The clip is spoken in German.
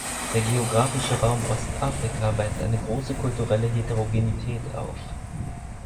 Der geografische Raum Ostafrika weist eine große kulturelle Heterogenität auf.